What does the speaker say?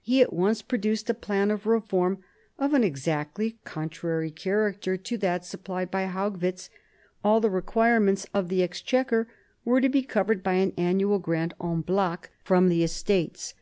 He at once produced a plan of reform, of an exactly contrary character to that supplied by Haugwitz; all the requirements of the Exchequer were to be covered by an annual grant en bloc from the 1748 57 THE EARLY REFORMS 71 Estates.